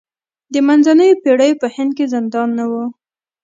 د منځنیو پېړیو په هند کې زندان نه و.